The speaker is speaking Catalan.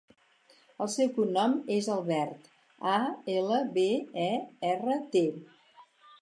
El seu cognom és Albert: a, ela, be, e, erra, te.